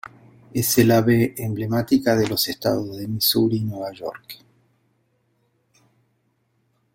Es el ave emblemática de los estados de Misuri y Nueva York.